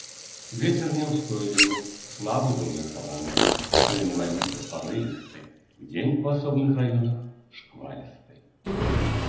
Вецер няўстойлівы, слабы да ўмеркаванага, пры навальніцах парывісты, удзень у асобных раёнах шквалісты.